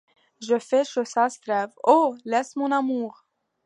Je fais ce chaste rêve. Oh ! laisse mon amour